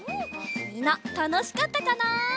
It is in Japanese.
みんなたのしかったかな？